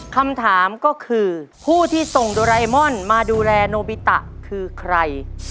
คำถามก็คือผู้ที่ส่งโดไรมอนมาดูแลโนบิตะคือใคร